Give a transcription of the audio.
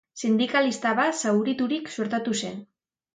Sindikalista bat zauriturik suertatu zen.